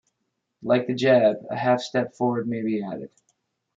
Like the jab, a half-step forward may be added.